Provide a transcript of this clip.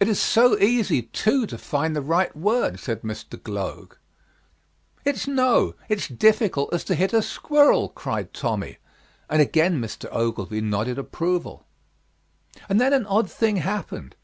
"It is so easy, too, to find the right word," said Mr. Gloag. "It's no; it's difficult as to hit a squirrel," cried Tommy, and again Mr. Ogilvy nodded approval. And then an odd thing happened.